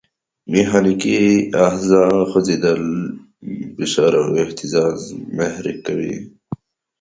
میخانیکي آخذه خوځېدل، فشار او اهتزاز محرک کوي.